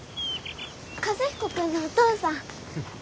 和彦君のお父さん。